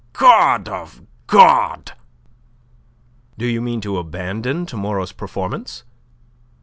God of God!" "Do you mean to abandon to morrow's performance?"